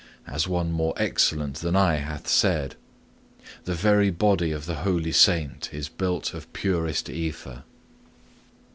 As one more excellent than I[N] hath said: '"The very body of the holy saint Is built of purest ether."